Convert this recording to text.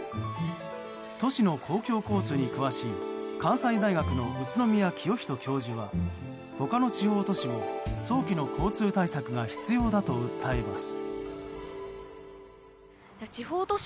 都市の公共交通に詳しい関西大学の宇都宮浄人教授は他の地方都市も早期の交通対策が必要だと訴えます。